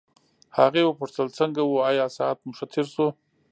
هغې وپوښتل څنګه وو آیا ساعت مو ښه تېر شو.